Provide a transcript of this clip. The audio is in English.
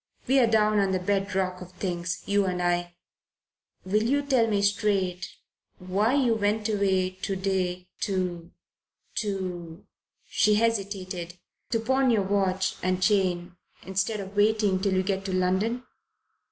We're down on the bedrock of things, you and I. Will you tell me, straight, why you went away to day to to" she hesitated "to pawn your watch and chain, instead of waiting till you got to London?"